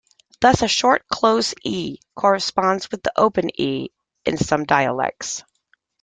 Thus, the short close "e" corresponds with the open "e" in some dialects.